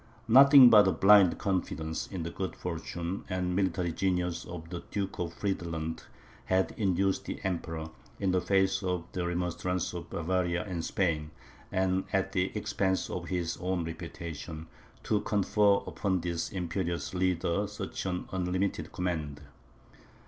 Nothing but a blind confidence in the good fortune and military genius of the Duke of Friedland, had induced the Emperor, in the face of the remonstrances of Bavaria and Spain, and at the expense of his own reputation, to confer upon this imperious leader such an unlimited command.